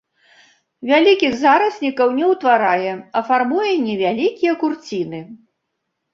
Вялікіх зараснікаў не ўтварае, а фармуе невялікія курціны.